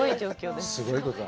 すごいことだ。